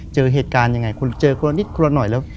เจอเหตุการณ์ยังไงคุณเจอคนละนิดคนละหน่อยแล้ว